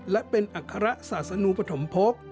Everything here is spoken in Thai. และเป็นอัครสาธารณูปฐมพกษ์